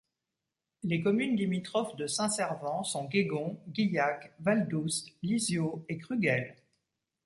Les communes limitrophes de Saint-Servant sont Guégon, Guillac, Val d'Oust, Lizio et Cruguel.